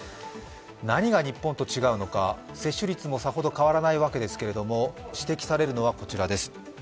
何が日本と違うのか、接種率もさほど変わらないわけですけれども、指摘されるのがこちらです。